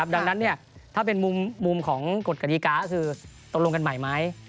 ดังนั้นถ้าเป็นมุมของกฎกฎิกาก็คือตกลงกันใหม่ไหม